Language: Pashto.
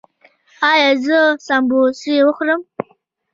ایا زه سموسې وخورم؟